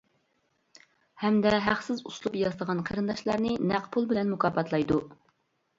ھەمدە ھەقسىز ئۇسلۇب ياسىغان قېرىنداشلارنى نەق پۇل بىلەن مۇكاپاتلايدۇ.